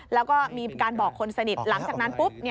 แล้วก็มีการบอกคนสนิทหลังจากนั้นปุ๊บ